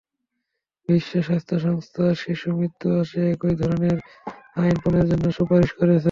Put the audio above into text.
বিশ্ব স্বাস্থ্য সংস্থাও শিশুমৃত্যু হ্রাসে একই ধরনের আইন প্রণয়নের জন্য সুপারিশ করেছে।